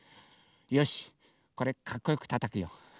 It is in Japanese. よしこれかっこよくたたくよ。